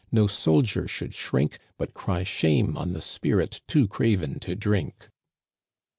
No soldier should shrink, But cry shame on the sphrit Too craven to drink."